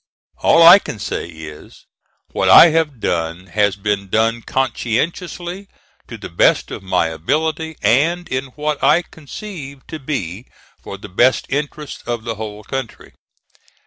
All I can say is, that what I have done has been done conscientiously, to the best of my ability, and in what I conceived to be for the best interests of the whole country.